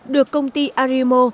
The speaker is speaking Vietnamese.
được công ty arimo